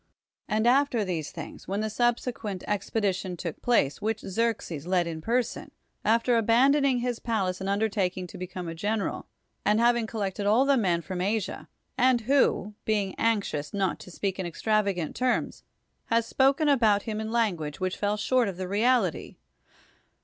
And after these things, when the subsequent expedition took place, which Xerxes led in per son, after abandoning his palace and underta king to become a general, and having collected all the men from Asia ; and who, being anxious not to speak in extravagant terms, has spoken about liim in language which fell short of the reality?